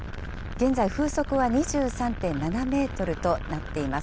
現在、風速は２３．７メートルとなっています。